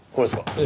ええ。